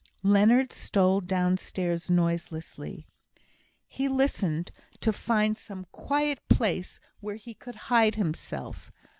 Leonard stole downstairs noiselessly. He listened to find some quiet place where he could hide himself.